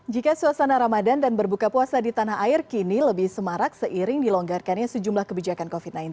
jika suasana ramadan dan berbuka puasa di tanah air kini lebih semarak seiring dilonggarkannya sejumlah kebijakan covid sembilan belas